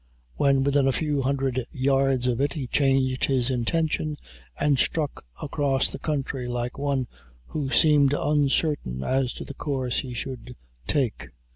When within a few hundred yards of it, he changed his intention, and struck across the country like one who seemed uncertain as to the course he should take.